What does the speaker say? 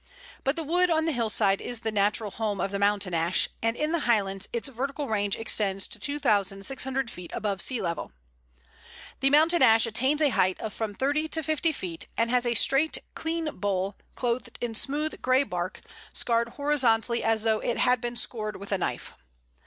But the wood on the hillside is the natural home of the Mountain Ash, and in the Highlands its vertical range extends to 2600 feet above sea level. [Illustration: Pl. 111. Rowan, or Mountain Ash summer.] The Mountain Ash attains a height of from thirty to fifty feet, and has a straight clean bole, clothed in smooth grey bark, scarred horizontally as though it had been scored with a knife.